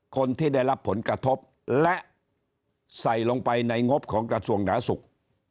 คนที่ได้รับผลกระทบและใส่ลงไปในงบของกระทรวงหนาสุข